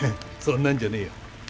そんなんじゃねえよ。